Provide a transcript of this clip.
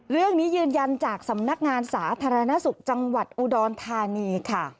ยืนยันจากสำนักงานสาธารณสุขจังหวัดอุดรธานีค่ะ